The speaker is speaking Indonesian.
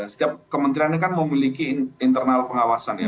setiap kementeriannya kan memiliki internal pengawasan ya